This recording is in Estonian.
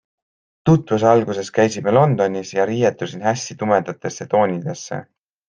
Tutvuse alguses käisime Londonis ja riietusin hästi tumedatesse toonidesse.